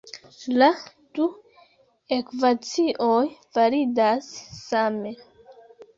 La du ekvacioj validas same.